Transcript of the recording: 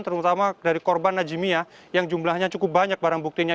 terutama dari korban najimia yang jumlahnya cukup banyak barang buktinya